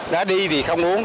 đã đi thì